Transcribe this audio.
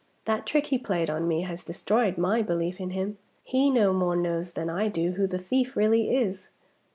"That trick he played me has destroyed my belief in him. He no more knows than I do who the thief really is."